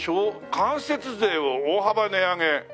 「間接税を大幅値上げ」。